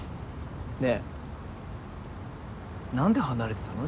ねえ何で離れてたの？